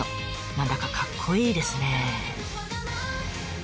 何だかかっこいいですね。